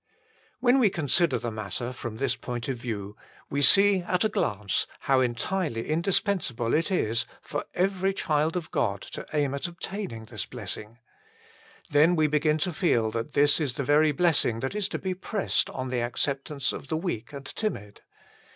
When we consider the matter from this point of view, we see at a glance how entirely indis pensable it is for every child of God to aim at obtaining this blessing. Then we begin to feel that this is the very blessing that is to be pressed on the acceptance of the weak and timid.